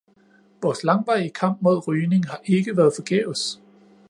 Vores langvarige kamp mod rygning har ikke været forgæves.